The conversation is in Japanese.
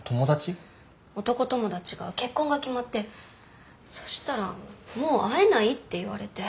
男友達が結婚が決まってそしたらもう会えないって言われて。